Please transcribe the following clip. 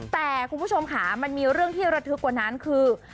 แต่คุณผู้ชมค่ะมันมีเรื่องที่ระทึกกว่านั้นคือ